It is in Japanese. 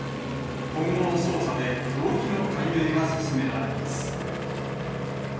今後の捜査で動機の解明が進められます。